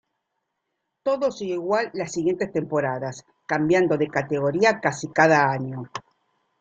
Todo siguió igual las siguientes temporadas, cambiando de categoría casi cada año.